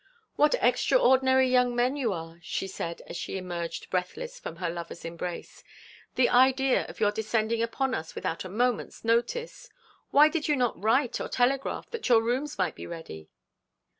'What extraordinary young men you are,' she said, as she emerged breathless from her lover's embrace. 'The idea of your descending upon us without a moment's notice. Why did you not write or telegraph, that your rooms might be ready?'